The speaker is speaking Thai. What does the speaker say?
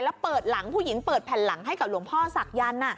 แล้วเปิดหลังผู้หญิงเปิดแผ่นหลังให้กับหลวงพ่อศักยันต์